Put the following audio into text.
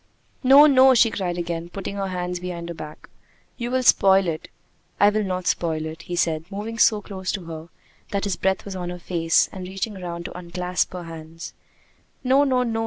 "No! No!" she cried again, putting her hands behind her back. "You will spoil it!" "I will not spoil it," he said, moving so close to her that his breath was on her face, and reaching round to unclasp her hands. "No! No! No!"